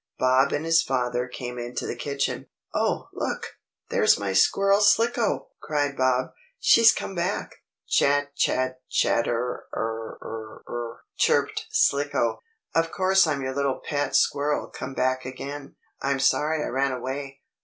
Bob and his father came into the kitchen. "Oh, look! There's my squirrel Slicko!" cried Bob. "She's come back!" "Chatter! Chatter! Chat chat chatter r r r r!" chirped Slicko. "Of course I'm your little pet squirrel come back again. I'm sorry I ran away."